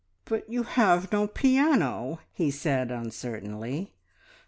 "But you have no piano," he said uncertainly.